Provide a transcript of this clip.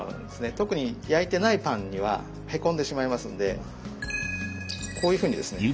特に焼いてないパンにはへこんでしまいますのでこういうふうにですね